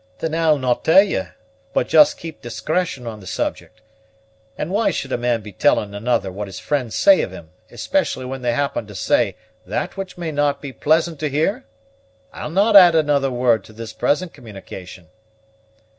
"Then I'll no' tell ye, but just keep discretion on the subject; and why should a man be telling another what his friends say of him, especially when they happen to say that which may not be pleasant to hear? I'll not add another word to this present communication."